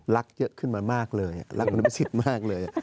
รักเยอะขึ้นมามากเลยรักคุณอภิษิตมากเลย